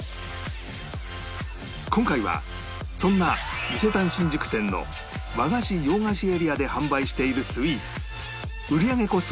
今回はそんな伊勢丹新宿店の和菓子洋菓子エリアで販売しているスイーツ売り上げ個数